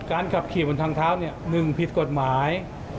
การขับขี่บนทางเท้าหนึ่งผิดกฎหมาย